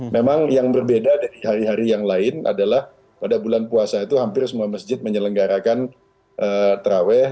memang yang berbeda dari hari hari yang lain adalah pada bulan puasa itu hampir semua masjid menyelenggarakan terawih